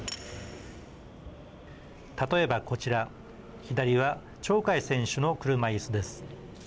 例えば、こちら左は鳥海選手の車いすです。